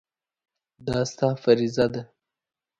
دا ستا فریضه ده.